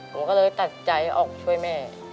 ผมก็เลยตัดใจออกช่วยแม่